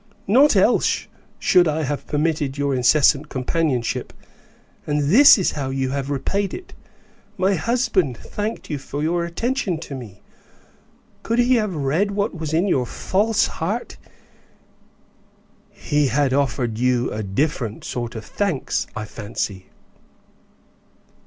"Not else should I have permitted your incessant companionship; and this is how you have repaid it! My husband thanked you for your attention to me; could he have read what was in your false heart, he had offered you different sort of thanks, I fancy."